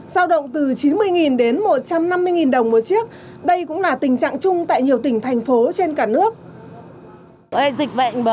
giao động từ chín mươi đến một trăm năm mươi đồng một chiếc đây cũng là tình trạng chung tại nhiều tỉnh thành phố trên cả nước